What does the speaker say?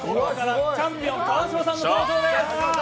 チャンピオン・川島さんの登場です。